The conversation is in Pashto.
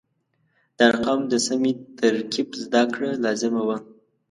د ارقامو د سمې ترکیب زده کړه لازمه وه.